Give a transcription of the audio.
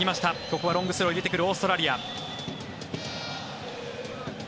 ここはロングスローを入れてくるオーストラリア。